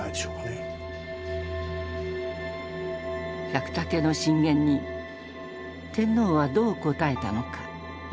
百武の進言に天皇はどう答えたのか。